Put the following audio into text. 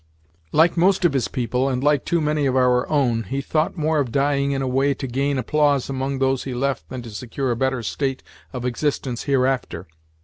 Like most of his people, and like too many of our own, he thought more of dying in a way to gain applause among those he left than to secure a better state of existence hereafter.